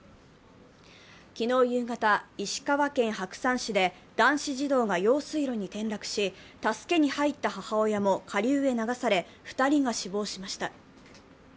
昨日夕方、石川県白山市で、男子児童が用水路に転落し助けに入った母親も下流へ流され２人が死亡しました。